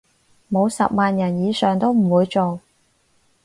冇十萬人以上都唔會做